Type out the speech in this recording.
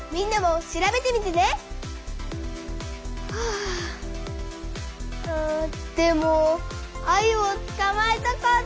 あでもアユをつかまえたかった。